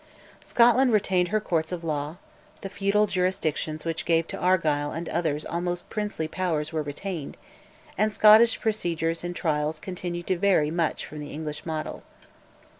Scotland retained her Courts of Law; the feudal jurisdictions which gave to Argyll and others almost princely powers were retained, and Scottish procedure in trials continued to vary much from the English model.